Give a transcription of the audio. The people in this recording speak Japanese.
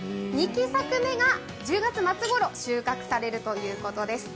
２期作目が１０月末ごろ収穫されるということです。